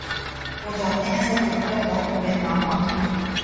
ہو جاتے ہیں سب دفتر غرق مے ناب آخر